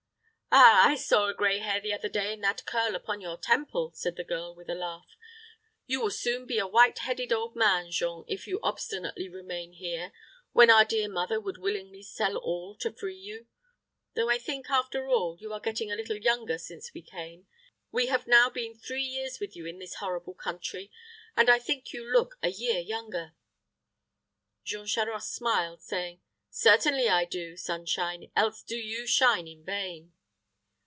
"Ah, I saw a gray hair the other day in that curl upon your temple," said the girl, with a laugh. "You will soon be a white headed old man, Jean, if you obstinately remain here, when our dear mother would willingly sell all to free you. Though I think, after all, you are getting a little younger since we came. We have now been three years with you in this horrible country, and I think you look a year younger." Jean Charost smiled, saying, "Certainly I do, Sunshine, else do you shine in vain."